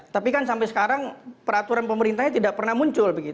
tapi kan sampai sekarang peraturan pemerintahnya tidak pernah muncul